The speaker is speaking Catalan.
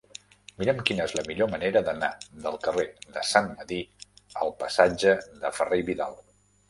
Mira'm quina és la millor manera d'anar del carrer de Sant Medir al passatge de Ferrer i Vidal.